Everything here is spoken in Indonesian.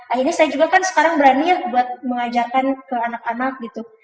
akhirnya saya juga kan sekarang berani ya buat mengajarkan ke anak anak gitu